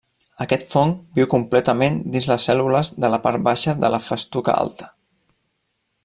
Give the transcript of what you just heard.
Aquest fong viu completament dins les cèl·lules de la part baixa de la festuca alta.